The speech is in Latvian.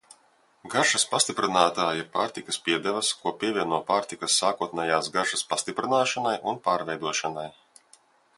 Garšas pastiprinātāji ir pārtikas piedevas, ko pievieno pārtikas sākotnējās garšas pastiprināšanai un pārveidošanai.